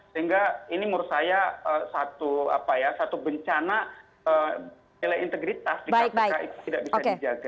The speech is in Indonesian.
sehingga ini menurut saya satu bencana nilai integritas di kpk itu tidak bisa dijaga